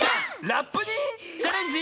ラップにチャレンジ！